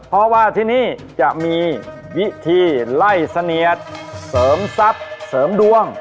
เพราะว่าที่นี่จะมีวิธีไล่เสนียดเสริมทรัพย์เสริมดวง